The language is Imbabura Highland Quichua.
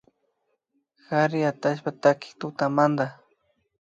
Kari atallpa takik tutamanta